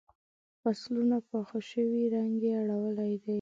فصلونه پاخه شوي رنګ یې اړولی دی.